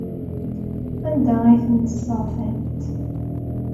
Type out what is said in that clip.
Anda ay tent-tesseɣtamt?